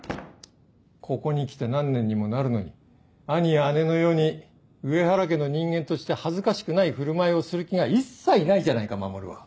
ここに来て何年にもなるのに兄や姉のように上原家の人間として恥ずかしくない振る舞いをする気が一切ないじゃないか守は。